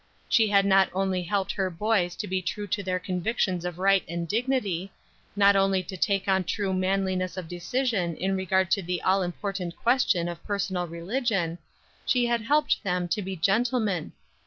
She had not only helped her boys to be true to their convictions of right and dignity, not only to take on true manliness of decision in regard to the all important question of personal religion, she had helped them to be gentlemen.